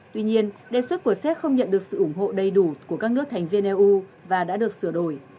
tuy nhiên đề xuất của séc không nhận được sự ủng hộ đầy đủ của các nước thành viên eu và đã được sửa đổi